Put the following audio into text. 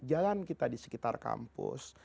jalan kita di sekitar kampus